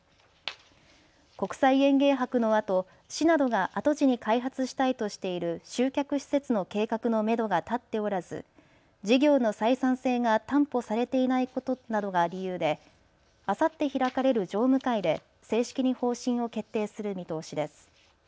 国際園芸博のあと市などが跡地に開発したいとしている集客施設の計画のめどが立っておらず事業の採算性が担保されていないことなどが理由であさって開かれる常務会で正式に方針を決定する見通しです。